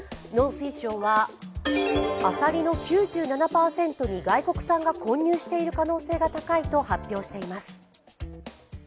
農水省は、アサリの９７％に外国産が混入している可能性が高いと発表しています。